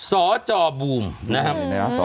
สจบูมนะครับ